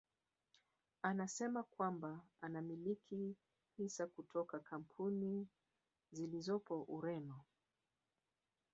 Amesema kwamba anamiliki hisa kutoka kampuni zilizopo Ureno